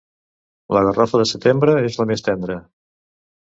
La garrofa de setembre és la més tendra.